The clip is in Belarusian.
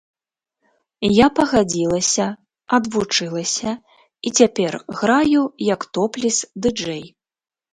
Я пагадзілася, адвучылася, і цяпер граю як топлес-дыджэй.